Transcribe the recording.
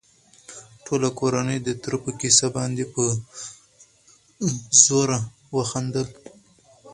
ټوله کورنۍ د تره په کيسه باندې په زوره وخندل.